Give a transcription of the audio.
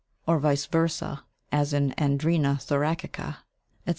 D, 28), or vice versâ as in Andrena thoracica, etc.